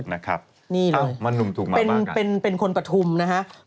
ดีมากเลยนะครับนี่เลยเป็นคนปฐุมนะฮะมันหนุ่มถูกมาก